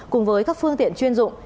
cùng với các phương tiện chuyên dụng